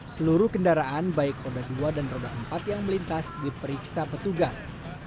seluruh kendaraan baik roda dua dan roda empat yang melintas diperiksa petugas